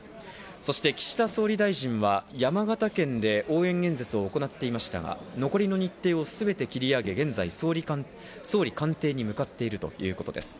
そして岸田総理大臣は山形県で応援演説を行っていましたが、残りの日程をすべて切り上げ、現在、総理官邸に向かっているということです。